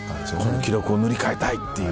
この記録を塗り替えたいっていう。